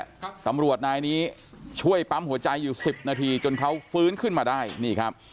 ตำรวจนายนี้ช่วยปั๊มหัวใจอยู่สิบนาทีจนเขาฟื้นขึ้นมาได้นี่ครับ